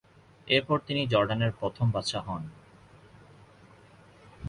এরপর তিনি জর্ডানের প্রথম বাদশাহ হন।